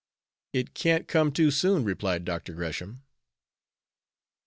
"It can't come too soon," replied Dr. Gresham.